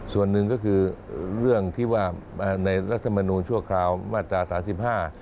ส่วนหนึ่งก็คือเรื่องที่ว่าในรัฐมนูลชั่วคราวมาตราสามสิบห้า